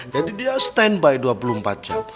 jadi dia stand by dua puluh empat jam